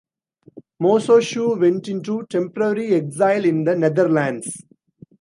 Moshoeshoe went into temporary exile in the Netherlands.